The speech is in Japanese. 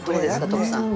徳さん。